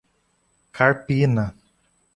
Carpina